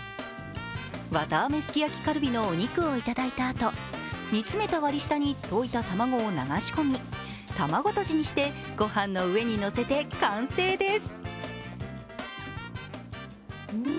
わたあめすき焼きカルビのお肉をいただいたあと、煮詰めた割り下に溶いた卵を流し込み、卵とじにしてご飯の上にのせて完成です。